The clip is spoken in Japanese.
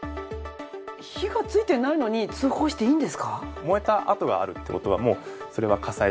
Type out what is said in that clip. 火がついてないのに通報していいんですか？